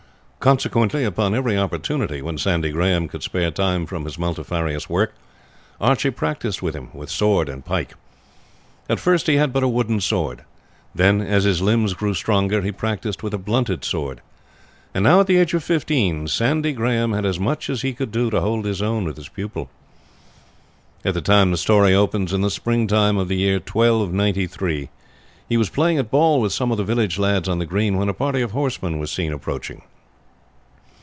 Consequently, upon every opportunity when Sandy Grahame could spare time from his multifarious work, Archie practised with him, with sword and pike. At first he had but a wooden sword. Then, as his limbs grew stronger, he practised with a blunted sword; and now at the age of fifteen Sandy Grahame had as much as he could do to hold his own with his pupil. At the time the story opens, in the springtime of the year 1293, he was playing at ball with some of the village lads on the green, when a party of horsemen was seen approaching.